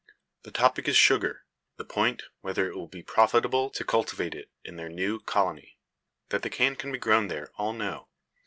The topic is sugar the point, whether it will be profitable to cultivate it in their new colony. That the cane can be grown there all know.